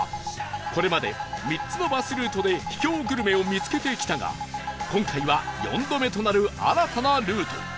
これまで３つのバスルートで秘境グルメを見つけてきたが今回は４度目となる新たなルート